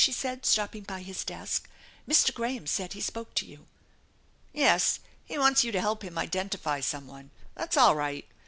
she said, stopping by his desk. " Mr. Graham said he spoke to you." " Yes, he wants you to help him identify some one. That's all right.